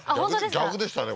逆でしたね